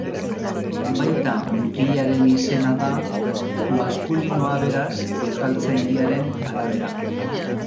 Baita mutilaren izena da, maskulinoa beraz Euskaltzaindiaren arabera.